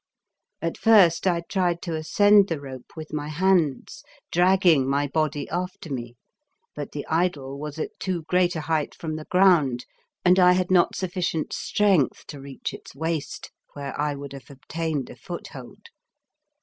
At first I tried to ascend the rope with my hands, dragging my body after me ; but the idol was at too great a height from the ground, and I had not sufficient strength to reach its waist, where I would have obtained a foothold.